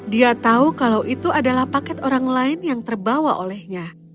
dia tahu kalau itu adalah paket orang lain yang terbawa olehnya